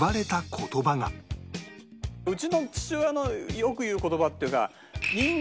うちの父親のよく言う言葉っていうか。